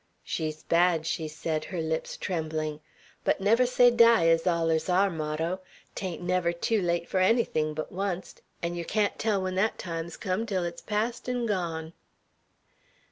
"She's bad," she said, her lips trembling; "but, 'never say die!' ez allers our motto; 'tain't never tew late fur ennything but oncet, 'n' yer can't tell when thet time's come till it's past 'n' gone."